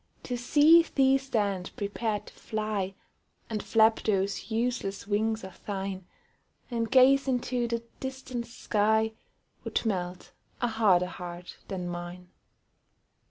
To see thee stand prepared to fly, And flap those useless wings of thine, And gaze into the distant sky, Would melt a harder heart than mine.